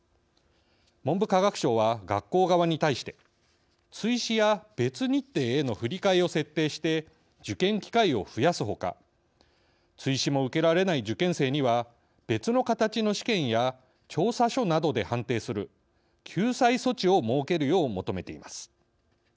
文部科学省は、学校側に対して追試や別日程への振替を設定して受験機会を増やすほか追試も受けられない受験生には別の形の試験や調査書などで判定する救済措置を設けるよう求めています。